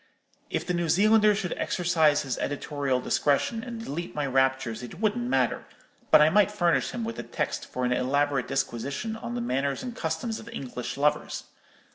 If the New Zealander should exercise his editorial discretion, and delete my raptures, it wouldn't matter; but I might furnish him with the text for an elaborate disquisition on the manners and customs of English lovers.